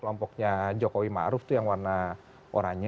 kelompoknya jokowi maruf itu yang warna oranye